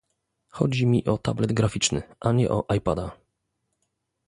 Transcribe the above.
Chodzi mi o tablet graficzny, a nie o iPada.